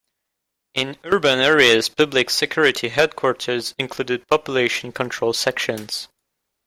In urban areas public security headquarters included population control sections.